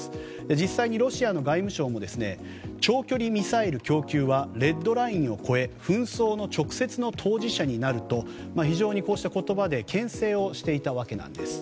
実際にロシアの外務省も長距離ミサイル供給はレッドラインを越え紛争の直接の当事者になると非常にこうした言葉で牽制していたわけなんです。